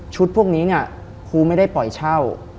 ชุดพวกนี้ครูไม่ได้ปล่อยเช่า